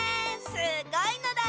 すごいのだ！